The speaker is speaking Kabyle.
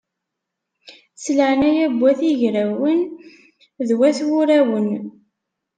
S leɛnaya n wat yigrawen d wat wurawen!